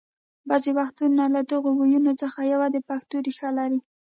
بعضې وختونه له دغو ويونو څخه یو د پښتو ریښه لري